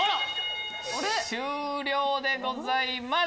終了でございます。